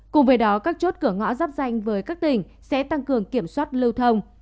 cùng với đó các chốt cửa ngõ giáp danh với các tỉnh sẽ tăng cường kiểm soát lưu thông